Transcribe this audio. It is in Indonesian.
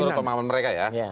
ini pemahaman mereka ya